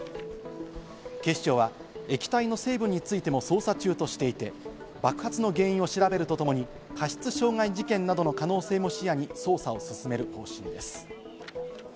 警視庁は液体の成分についても捜査中としていて、爆発の原因を調べるとともに過失傷害事件などの可能性も視野に捜査を進める方針です。